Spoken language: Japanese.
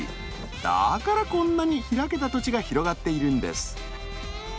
だからこんなに開けた土地が広がっているんです。